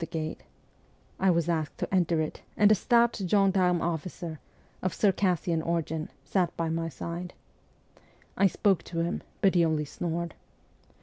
PETERSBURG 135 to enter it, and a stout gendarme officer, of Caucasian origin, sat by my side. I spoke to him, but he only snored.